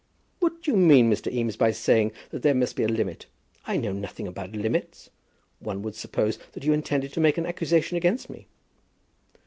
"What do you mean, Mr. Eames, by saying that there must be a limit? I know nothing about limits. One would suppose that you intended to make an accusation against me."